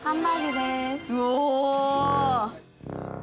うお！